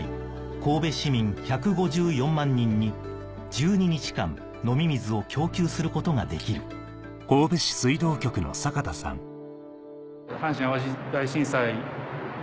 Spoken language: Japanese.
神戸市民１５４万人に１２日間飲み水を供給することができるそれはまず。